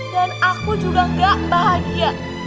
aku juga gak bahagia